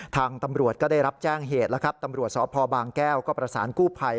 ทางตำรวจก็ได้รับแจ้งเหตุแล้วครับตำรวจสพบางแก้วก็ประสานกู้ภัย